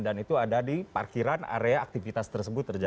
dan itu ada di parkiran area aktivitas tersebut terjadi